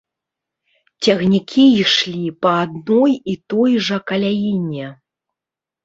Цягнікі ішлі па адной і той жа каляіне.